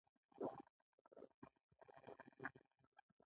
رسول الله ﷺ په مکه کې زېږېدلی.